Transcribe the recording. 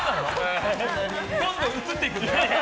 どんどんうつっていくよ。